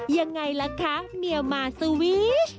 ยังไงล่ะคะเมียมาสวีช